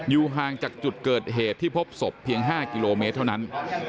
ห่างจากจุดเกิดเหตุที่พบศพเพียง๕กิโลเมตรเท่านั้น